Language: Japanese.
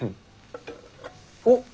おっ！